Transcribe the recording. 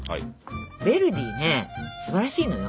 ヴェルディねすばらしいのよ。